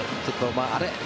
あれ？